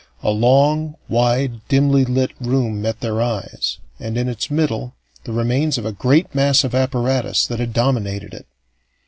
A long, wide, dimly lit room met their eyes, and in its middle the remains of a great mass of apparatus that had dominated it.